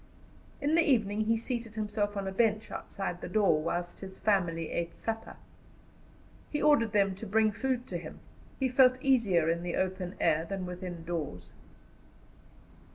In the evening he seated himself on a bench outside the door, whilst his family ate supper. He ordered them to bring food to him. He felt easier in the open air than within doors.